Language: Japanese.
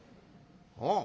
「ああ。